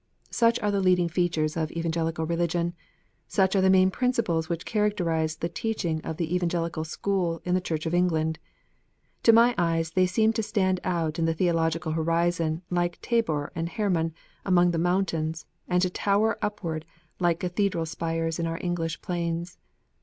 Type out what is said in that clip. Such are the leading features of Evangelical Eeligion. Such are the main principles whicli characterize the teaching of the Evangelical school in the Church of England. To my eyes they seem to stand out in the theological horizon like Tabor and Hermon among the mountains, and to tower upward like cathedral spires in our English plains.